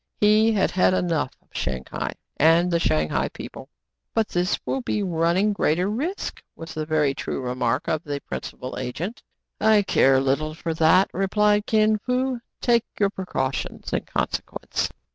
He had had enough of Shang hai and the Shang hai people. "But this will be running greater risks," was the very true remark of the principal agent. "I care little for that," replied Kin Fo. "Take your precautions in consequence."